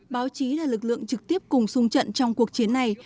báo chí là lực lượng trực tiếp cùng sung trận trong cuộc chiến này